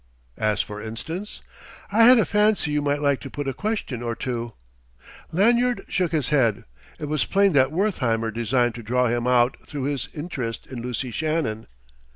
"As for instance ?" "I had a fancy you might like to put a question or two." Lanyard shook his head; it was plain that Wertheimer designed to draw him out through his interest in Lucy Shannon.